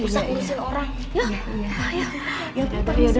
ya udah bangun siap bu ya